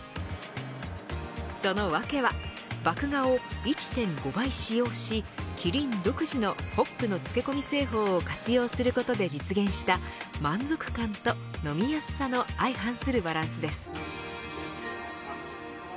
その訳は麦芽を１．５倍使用しキリン独自のホップの漬け込み製法を活用することで実現した満足感と飲みやすさの相反するバランスです。